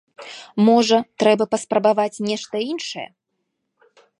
Можа, трэба паспрабаваць нешта іншае.